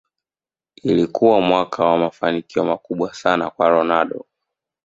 ulikuwa mwaka wa mafanikio makubwa sana kwa ronaldo